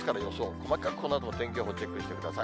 細かくこのあともお天気チェックしてください。